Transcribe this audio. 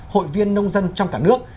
hội viên nông dân trong cả nước